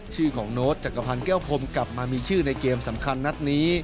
ชื่อของโน้ตจักรพันธ์แก้วพรมกลับมามีชื่อในเกมสำคัญนัดนี้